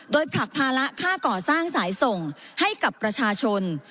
โดยผลักภาระค่าก่อสร้างสายส่งให้กับประชาชน